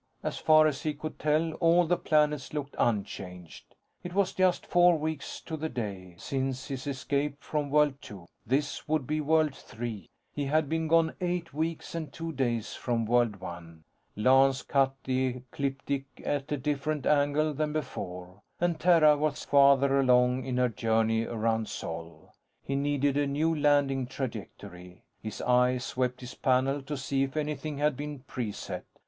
As far as he could tell, all the planets looked unchanged. It was just four weeks to the day, since his escape from World Two. This would be World Three. He had been gone eight weeks and two days from World One. Lance cut the ecliptic at a different angle than before, and Terra was farther along in her journey around Sol. He needed a new landing trajectory. His eye swept his panel, to see if anything had been preset.